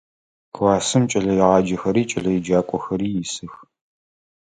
Классым кӏэлэегъаджэхэри кӏэлэеджакӏохэри исых.